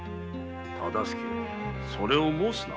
大岡それを申すな。